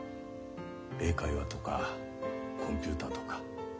英会話とかコンピューターとか。